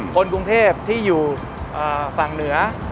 คนกรุงเทพที่อยู่ฝั่งเหนือ